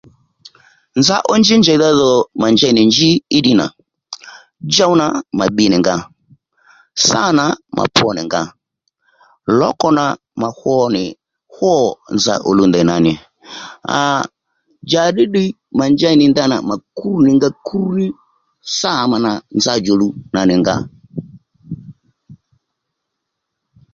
Nza ó njí njèydha dho mà njey nì njí í ddiy na djow nà mà bbi nì nga sâ nà mà pwo nì nga lǒkò nà mà hwo nì hwô nza ò luw ndèy nà nì aa njàddí ddiy mà njeynì ndanà mà krú nì nga krú ní sâ mà nà nza djòluw nà nì nga